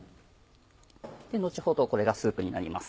後ほどこれがスープになります。